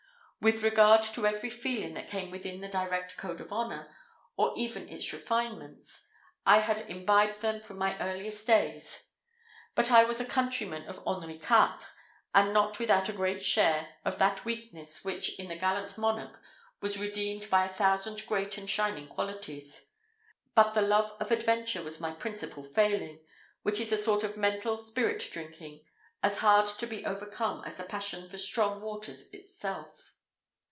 With regard to every feeling that came within the direct code of honour, or even its refinements, I had imbibed them from my earliest days; but I was a countryman of Henri Quatre, and not without a great share of that weakness, which in the gallant monarch was redeemed by a thousand great and shining qualities. But the love of adventure was my principal failing, which is a sort of mental spirit drinking, as hard to be overcome as the passion for strong waters itself.